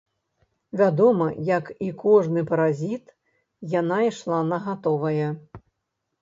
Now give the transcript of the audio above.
Вядома, як і кожны паразіт, яна ішла на гатовае.